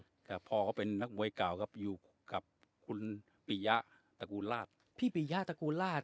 ครับพ่อเขาเป็นนักมวยเก่าครับอยู่กับคุณปียะตระกูลราชพี่ปิยะตระกูลราช